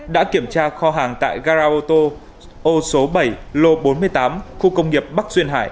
đã kiểm tra kho hàng tại garaoto ô số bảy lô bốn mươi tám khu công nghiệp bắc duyên hải